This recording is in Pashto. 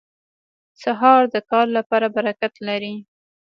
سهار د کار لپاره برکت لري.